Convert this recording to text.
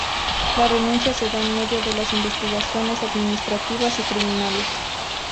La renuncia se da en medio de investigaciones administrativas y criminales.